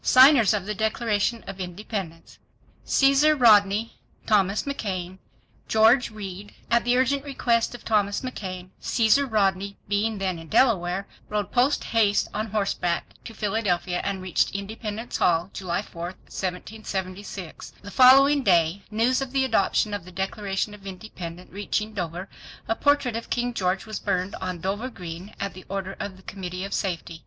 Signers of the Declaration of Independence. Caeser Rodney—Thomas McKain—George Read At the urgent request of Thomas McKain, Caesar Rodney being then in Delaware, rode post haste on horseback to Philadelphia and reached Independence Hall July 4, 1776. The following day news of the adoption of the Declaration of Independence reaching Dover a portrait of King George was burned on Dover Green at the order of the Committee of Safety.